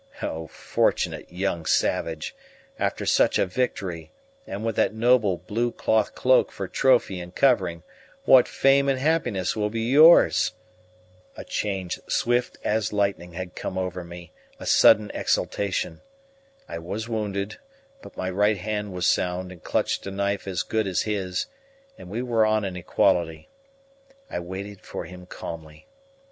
O fortunate young savage, after such a victory, and with that noble blue cloth cloak for trophy and covering, what fame and happiness will be yours! A change swift as lightning had come over me, a sudden exultation. I was wounded, but my right hand was sound and clutched a knife as good as his, and we were on an equality. I waited for him calmly.